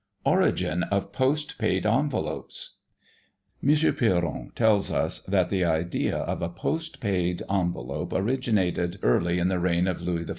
ORIGIN OF POST PAID ENVELOPES. M. Piron tells us, that the idea of a Post paid Envelope originated, early in the reign of Louis XIV.